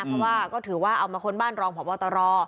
เพราะว่าก็ถือว่าเอามาค้นบ้านรองพบตร